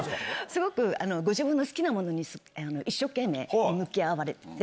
すごくご自分の好きなものに一生懸命に向き合われて。